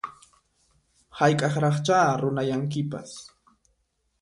Hayk'aqraqchá runayankipas